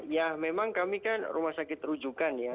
ya memang kami kan rumah sakit rujukan ya